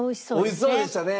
おいしそうでしたね！